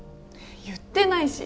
言ってないし。